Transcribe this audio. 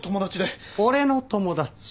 俺の友達？